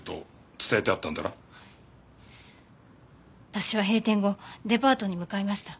私は閉店後デパートに向かいました。